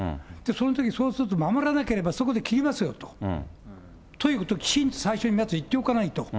そのとき、そうすると守らなければそこで切りますよということをきちんと最初にまず言っておかないと。